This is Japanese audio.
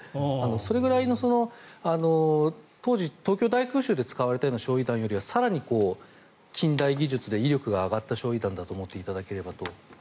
それくらいの当時、東京大空襲で使われたような焼い弾よりは更に近代技術で威力が上がった焼い弾だと思っていただければと。